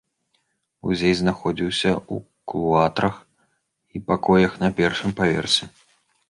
Музей знаходзіўся ў клуатрах і пакоях на першым паверсе.